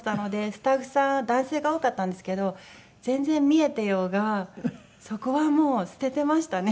スタッフさん男性が多かったんですけど全然見えていようがそこはもう捨ててましたね。